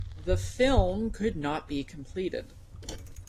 The film could not be completed.